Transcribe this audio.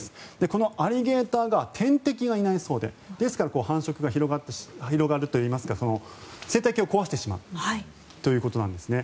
このアリゲーターガー天敵がいないそうでですから繁殖が広がるといいますか生態系を壊してしまうということなんですね。